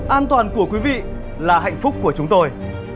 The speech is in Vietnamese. an toàn của quý vị là hạnh phúc của chúng tôi